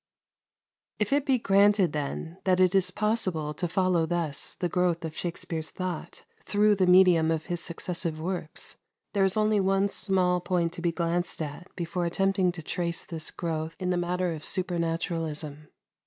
If it be granted, then, that it is possible to follow thus the growth of Shakspere's thought through the medium of his successive works, there is only one small point to be glanced at before attempting to trace this growth in the matter of supernaturalism.